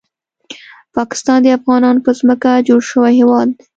پاکستان د افغانانو په ځمکه جوړ شوی هیواد دی